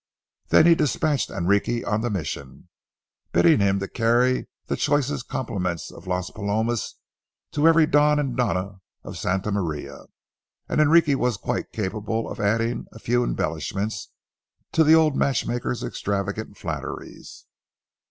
Then he dispatched Enrique on the mission, bidding him carry the choicest compliments of Las Palomas to every Don and Doña of Santa Maria. And Enrique was quite capable of adding a few embellishments to the old matchmaker's extravagant flatteries.